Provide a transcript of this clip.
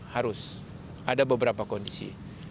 harus ada beberapa kondisi